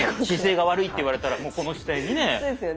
姿勢が悪いって言われたらもうこの姿勢にね。